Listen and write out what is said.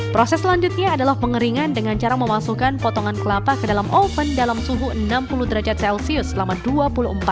proses selanjutnya adalah pengeringan dengan cara memasukkan potongan kelapa ke dalam oven dalam suhu enam puluh derajat celcius selama dua puluh empat jam